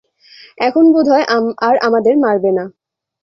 এখন বোধহয় আর আমাদের মারবে না।